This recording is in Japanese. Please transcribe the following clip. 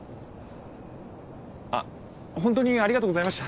あっホントにありがとうございました。